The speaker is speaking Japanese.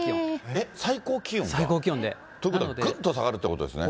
えっ、最高気温で。ということは、ぐっと下がるということですね。